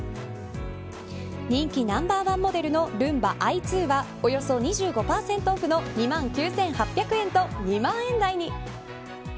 人気ナンバーワンモデルのルンバｉ２はおよそ２５％オフの２万９８００円と２万円台に。